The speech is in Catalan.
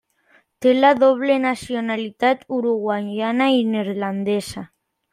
Té la doble nacionalitat uruguaiana i neerlandesa.